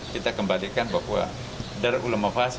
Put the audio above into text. kita kembalikan bahwa